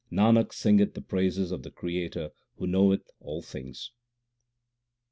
2 Nanak singeth the praises of the Creator who knoweth all things.